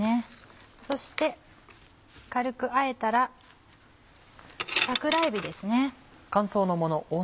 そして軽くあえたら桜えびですね。